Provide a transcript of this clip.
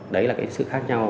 đấy là cái sự khác nhau